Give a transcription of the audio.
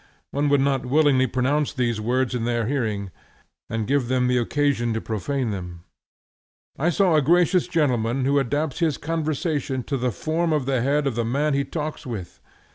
One would not willingly pronounce these words in their hearing, and give them the occasion to profane them. I saw a gracious gentleman who adapts his conversation to the form of the head of the man he talks with!